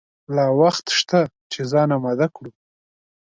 لا وخت شته چې ځان آمده کړو.